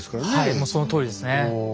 もうそのとおりですね。